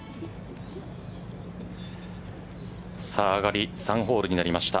上がり３ホールになりました。